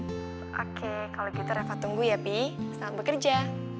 oke kalau gitu reva tunggu ya pi selamat bekerja